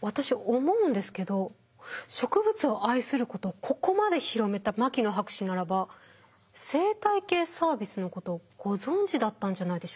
私思うんですけど植物を愛することをここまで広めた牧野博士ならば生態系サービスのことをご存じだったんじゃないでしょうか？